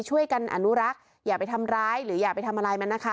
ช่วยกันอนุรักษ์อย่าไปทำร้ายหรืออย่าไปทำอะไรมันนะคะ